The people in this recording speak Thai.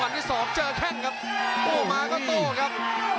วันที่สองเจอแครงบาทครับ